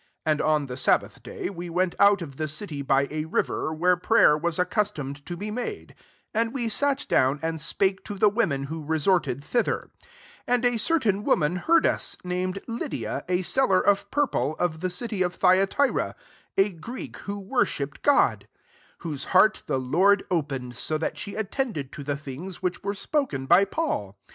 13 And on the sabbath day we went out of the city by a river, where prayer was accustomed to be made : and we sat down, and spake to the women who resorted thither^ 14 And a cer tain woman heard »«, named Lydia, a seller of purple, of the city of Thyatira, a Greek who worshipped God t whose heart the Lord opened, so that she attended to the things which were spoken by Paul.